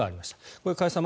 これ、加谷さん